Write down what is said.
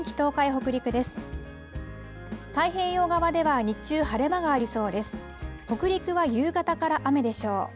北陸は夕方から雨でしょう。